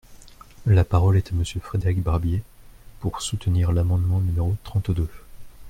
La parole est à Monsieur Frédéric Barbier, pour soutenir l’amendement numéro trente-deux.